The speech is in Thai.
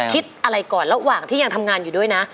คิดอะไรก่อนระหว่างที่ยังทำงานอยู่ด้วยนะ